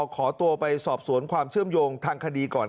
ขอตัวไปสอบสวนความเชื่อมโยงทางคดีก่อน